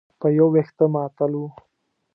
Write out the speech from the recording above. په یو وېښته معطل و.